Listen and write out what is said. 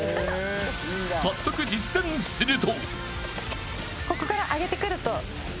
早速、実践すると。